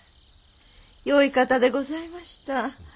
よい方でございました。